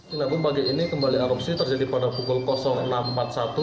namun pagi ini kembali erupsi terjadi pada pukul enam empat puluh satu